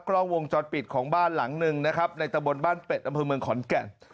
กล้องวงจรปิดของบ้านหลังหนึ่งนะครับในตะบนบ้านเป็ดอำเภอเมืองขอนแก่น